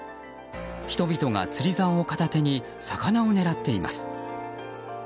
人々が釣竿を片手に魚を狙っています。